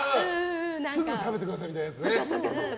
すぐ食べてくださいみたいなやつね。